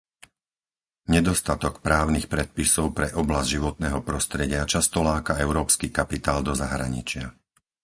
Nedostatok právnych predpisov pre oblasť životného prostredia často láka európsky kapitál do zahraničia.